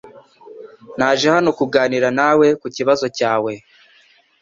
Naje hano kuganira nawe kukibazo cyawe